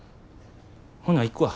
ほな行くわ。